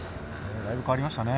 だいぶ変わりましたね。